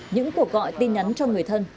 những cuộc gọi tin nhắn cho người thân